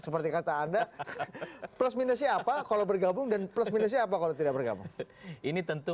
plus minusnya apa kalau bergabung dan plus minusnya apa kalau tidak bergabung ini tentu